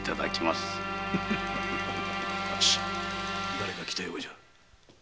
だれか来たようじゃ。